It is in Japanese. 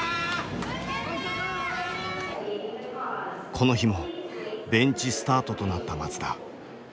この日もベンチスタートとなった松田。